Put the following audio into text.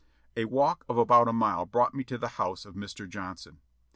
A walk of about a mile brought me to the house of Mr. Johnson.